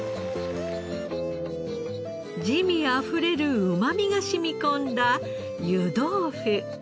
滋味あふれるうまみが染み込んだ湯豆腐。